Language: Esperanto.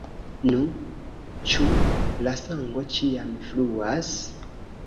Nu, ĉu la sango ĉiam fluas?